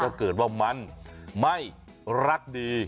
ถ้าเกิดว่ามันไม่รักดี